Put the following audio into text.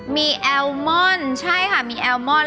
มีแอลมอนใช่ค่ะมีแอลมอน